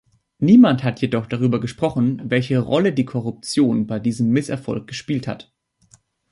Niemand hat jedoch darüber gesprochen, welche Rolle die Korruption bei diesem Misserfolg gespielt hat.